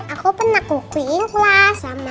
aku pernah kukuih kelas sama mama